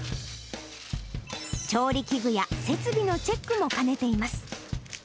調理器具や設備のチェックも兼ねています。